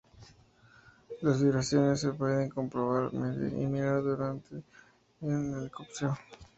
Las vibraciones se pueden comprobar, medir y mirar mediante un osciloscopio.